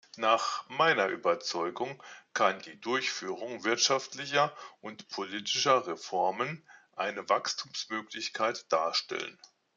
Nach meiner Überzeugung kann die Durchführung wirtschaftlicher und politischer Reformen eine Wachstumsmöglichkeit darstellen.